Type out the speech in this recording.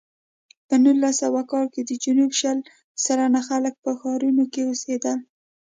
په نولس سوه کال کې د جنوب شل سلنه خلک په ښارونو کې اوسېدل.